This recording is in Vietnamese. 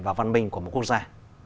và văn minh của một quốc gia